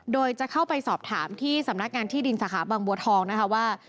โดยจะเข้าไปสอบถามที่สำนักงานที่ดินสาขาบางบัวทองนะคะว่า